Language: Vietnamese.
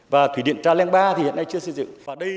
và thủy điện trà leng ba thì hiện nay chưa xây dựng